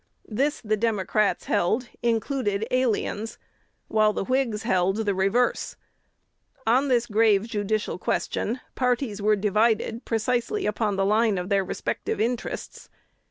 This, the Democrats held, included aliens; while the Whigs held the reverse. On this grave judicial question, parties were divided precisely upon the line of their respective interests.